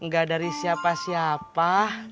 gak dari siapa siapa